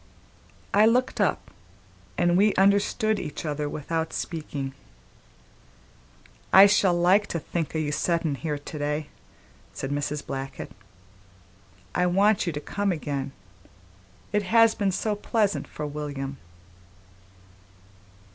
I looked up, and we understood each other without speaking. "I shall like to think o' your settin' here to day," said Mrs. Blackett. "I want you to come again. It has been so pleasant for William."